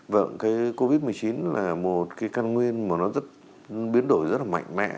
vâng cái covid một mươi chín là một cái căn nguyên mà nó rất biến đổi rất là mạnh mẽ